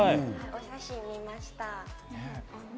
お写真、見ました。